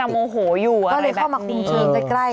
ว่าจะโมโหอยู่อะไรแบบนี้ก็เลยเข้ามาคุมคืนใกล้ใกล้